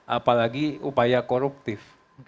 apalagi upaya koruptif